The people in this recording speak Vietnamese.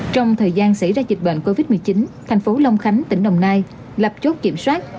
trong thời gian xảy ra dịch bệnh covid một mươi chín thành phố long khánh tỉnh đồng nai lập chốt kiểm soát